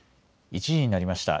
１時になりました。